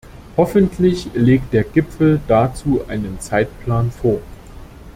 Hoffentlich legt der Gipfel dazu einen Zeitplan vor.